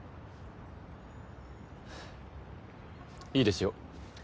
いいですよ。